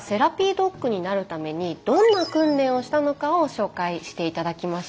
ドッグになるためにどんな訓練をしたのかを紹介して頂きましょう。